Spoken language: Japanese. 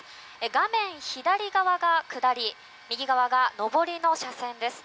画面左側が下り右側が上りの車線です。